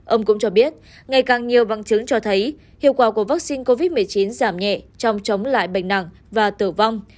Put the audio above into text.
ông cũng cho biết ngày càng nhiều băng chứng cho thấy hiệu quả của vaccine covid một mươi chín giảm nhẹ trong chống lại bệnh nặng và tử vong